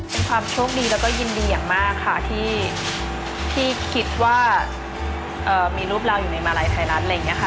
เป็นความโชคดีแล้วก็ยินดีอย่างมากค่ะที่คิดว่ามีรูปเราอยู่ในมาลัยไทยรัฐอะไรอย่างนี้ค่ะ